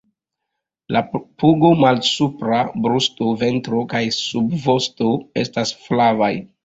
La pugo, malsupra brusto, ventro kaj subvosto estas flavaj.